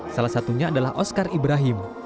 salah satunya adalah oscar ibrahim